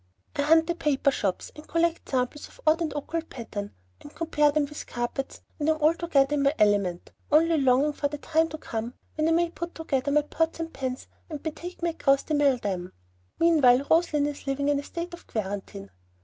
I hunt the paper shops and collect samples of odd and occult pattern, and compare them with carpets, and am altogether in my element, only longing for the time to come when I may put together my pots and pans and betake me across the mill dam. Meantime, Roslein is living in a state of quarantine.